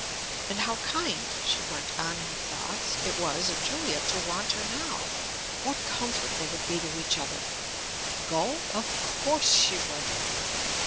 And how kind, she went on in her thoughts, it was of Julia to want her now! what comfort they would be to each other! Go, of course she would!